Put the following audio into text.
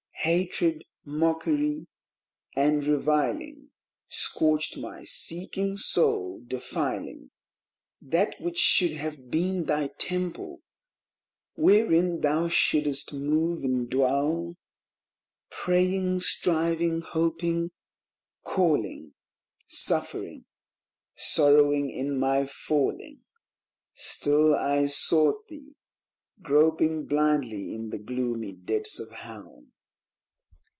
Hatred, mockery, and reviling Scorched my seeking soul, defiling That which should have been thy Temple, wherein thou shouldst move and dwell ; Praying, striving, hoping, calling ; Suffering, sorrowing in my falling, Still I sought thee, groping blindly in the gloomy depths of hell.